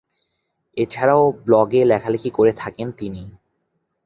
এছাড়াও ব্লগে লেখালেখি করে থাকেন তিনি।